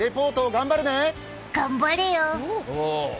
頑張れよ！